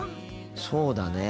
そうだね。